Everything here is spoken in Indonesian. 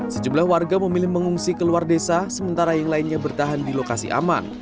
sejumlah warga memilih mengungsi ke luar desa sementara yang lainnya bertahan di lokasi aman